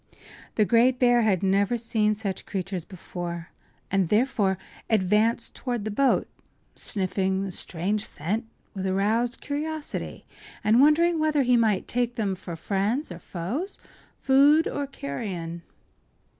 The great bear had never seen such creatures before, and therefore advanced toward the boat, sniffing the strange scent with aroused curiosity and wondering whether he might take them for friends or foes, food or carrion.